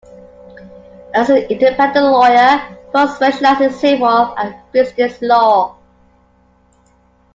As an independent lawyer, Flores specialized in civil and business law.